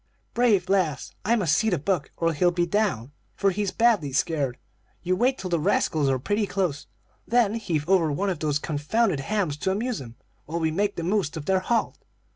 "'Brave lass! I must see to Buck or he'll be down, for he's badly scared. You wait till the rascals are pretty close, then heave over one of these confounded hams to amuse 'em, while we make the most of their halt.